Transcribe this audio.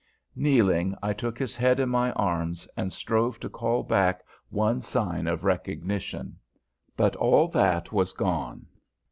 Kneeling, I took his head in my arms and strove to call back one sign of recognition; but all that was gone.